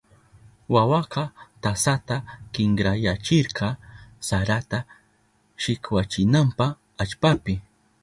Wawaka tasata kinkrayachirka sarata shikwachinanpa allpapi.